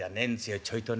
ちょいとね